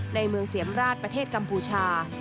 ในเมืองเสียมราชประเทศกัมพูชา